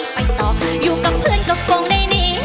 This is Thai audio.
ไม่ไปต่ออยู่กับเพื่อนก็โฟงได้เนี่ย